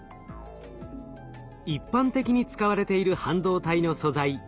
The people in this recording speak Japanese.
一般的に使われている半導体の素材シリコン。